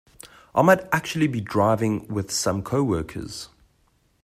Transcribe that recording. I might actually be driving with some coworkers.